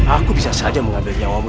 aku bisa saja mengambil nyawamu